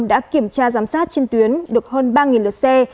đã kiểm tra giám sát trên tuyến được hơn ba lượt xe